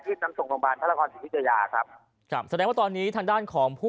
นำส่งโรงพยาบาลพระนครศรีวิทยาครับครับแสดงว่าตอนนี้ทางด้านของผู้